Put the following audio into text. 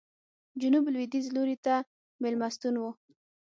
جنوب لوېدیځ لوري ته مېلمستون و.